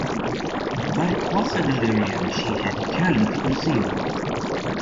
But it was a delirium she had the cunning to conceal.